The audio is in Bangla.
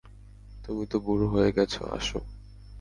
তুমি তো বুড়া হয়ে গেছো, আসো।